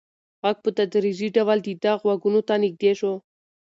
غږ په تدریجي ډول د ده غوږونو ته نږدې شو.